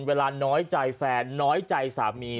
เวลาน้อยใจแฟนน้อยใจสามี